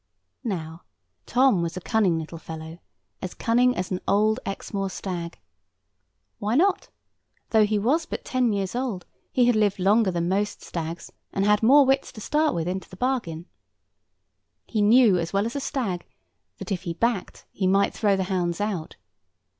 Now, Tom was a cunning little fellow—as cunning as an old Exmoor stag. Why not? Though he was but ten years old, he had lived longer than most stags, and had more wits to start with into the bargain. He knew as well as a stag, that if he backed he might throw the hounds out.